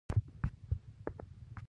په هېواد کې فیوډالي سیستم حاکم کړی و.